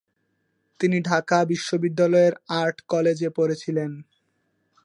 তিনি ঢাকা বিশ্ববিদ্যালয়ের আর্ট কলেজে পড়েছিলেন।